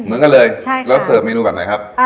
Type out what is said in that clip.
เหมือนกันเลยแล้วเสิร์ฟเมนูแบบไหนครับ